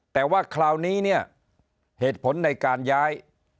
แต่ว่าคราวนี้เนี่ยเหตุผลในการย้าย